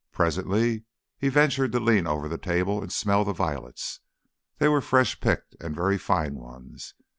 Presently he ventured to lean over the table and smell the violets; they were fresh picked and very fine ones.